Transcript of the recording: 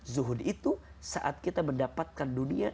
zuhud itu saat kita mendapatkan dunia